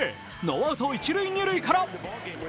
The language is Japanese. ノーアウト一塁・二塁から。